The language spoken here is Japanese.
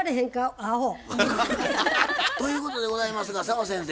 あほ！ということでございますが澤先生